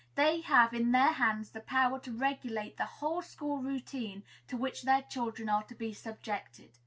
They have in their hands the power to regulate the whole school routine to which their children are to be subjected.